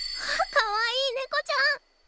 かわいいネコちゃん。